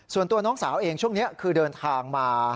ส่วนตัวน้องสาวเองช่วงนี้คือเดินทางมา